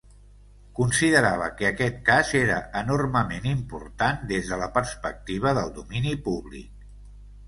Considerava que aquest cas era enormement important des de la perspectiva del domini públic.